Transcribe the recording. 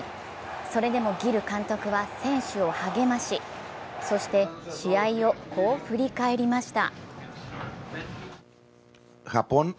それでもギル監督は選手を励ましそして試合をこう振り返りました。